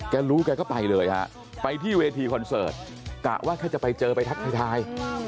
รู้แกก็ไปเลยฮะไปที่เวทีคอนเสิร์ตกะว่าถ้าจะไปเจอไปทักทาย